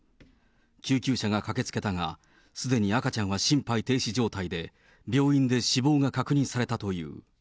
救急車が駆けつけたが、すでに赤ちゃんは心肺停止状態で、病院で死亡が確認されたという。